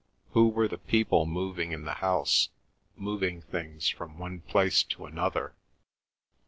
Who were the people moving in the house—moving things from one place to another?